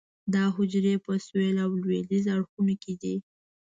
دا حجرې په سویل او لویدیځ اړخونو کې دي.